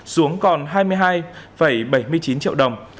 xuống còn hai mươi hai bảy mươi chín triệu đồng